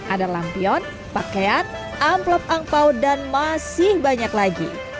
ada lampion pakean amplop angpau dan masih banyak lagi